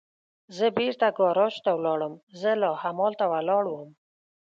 زه بېرته ګاراج ته ولاړم، زه لا همالته ولاړ ووم.